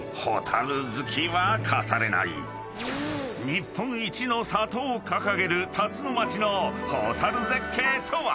［日本一の里を掲げる辰野町のホタル絶景とは？］